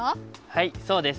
はいそうです。